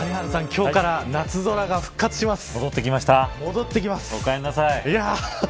今日から夏空が復活します。